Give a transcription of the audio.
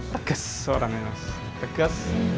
pegas orangnya mas pegas